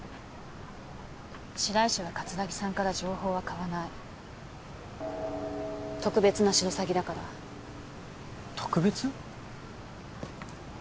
白石は桂木さんから情報は買わない特別なシロサギだから特別？